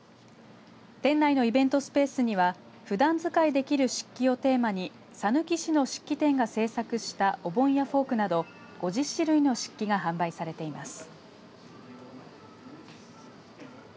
県内のイベントスペースにはふだん使いできる漆器をテーマにさぬき市の漆器店が制作したお盆やフォークなど５０種類の漆器が販売されています。